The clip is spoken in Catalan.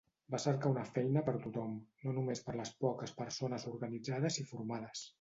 Va cercar una feina per tothom, no només per les poques persones organitzades i formades.